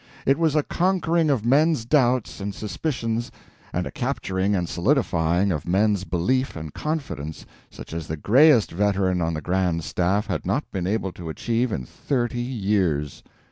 It was a conquering of men's doubts and suspicions and a capturing and solidifying of men's belief and confidence such as the grayest veteran on the Grand Staff had not been able to achieve in thirty years.